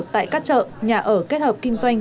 tại các chợ nhà ở kết hợp kinh doanh